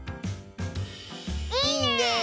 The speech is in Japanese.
いいね！